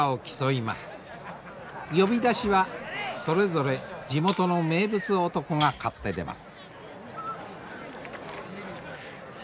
呼出はそれぞれ地元の名物男が買って出ます。